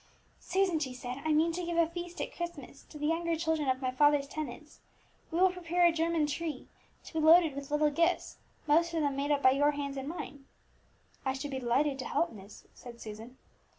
"Susan," she said, "I mean to give a feast at Christmas to the younger children of my father's tenants. We will prepare a German tree, to be loaded with little gifts, most of them made up by your hands and mine." "I should be delighted to help, miss," said Susan.